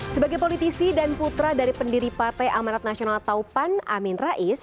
sebagai politisi dan putra dari pendiri partai amanat nasional taupan amin rais